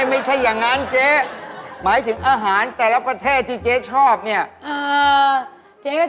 คนเราจะคบกันมันต้องชอบอะไรเหมือนกัน